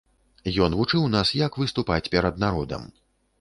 Ён вучыў нас, як выступаць перад народам.